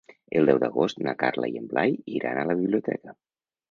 El deu d'agost na Carla i en Blai iran a la biblioteca.